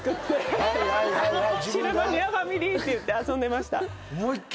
シルバニアファミリーって言って遊んでました。